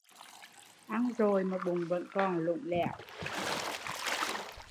Ăn rồi mà bụng vẫn còn lủng lẻo